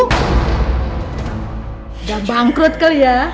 udah bangkrut kali ya